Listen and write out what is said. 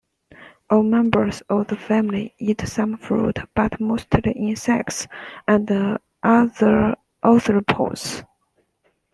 All members of the family eat some fruit but mostly insects and other arthropods.